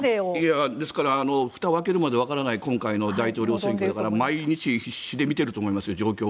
ですからふたを開けるまではわからない今回の大統領選挙だから毎日状況を必死で見ていると思いますよ。